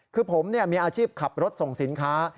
คือผมมีอาชีพขับรถส่งสินค้า